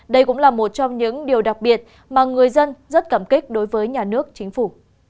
đây cũng là một trong những điều đặc biệt mà người dân rất cảm kích đối với nhà nước chính phủ